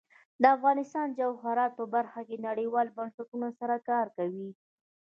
افغانستان د جواهرات په برخه کې نړیوالو بنسټونو سره کار کوي.